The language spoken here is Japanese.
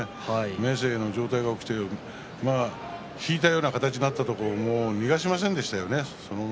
明生の上体が起きて引いたような形になったところ逃がしませんでしたね。